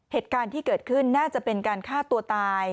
เหตุการณ์ที่เกิดขึ้นน่าจะเป็นการฆ่าตัวตาย